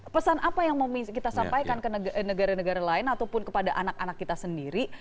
pesan apa yang mau kita sampaikan ke negara negara lain ataupun kepada anak anak kita sendiri